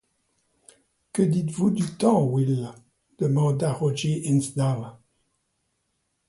Que dites-vous du temps, Will ?… demanda Roger Hinsdale.